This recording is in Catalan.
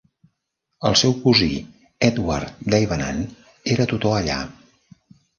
El seu cosí, Edward Davenant, era tutor allà.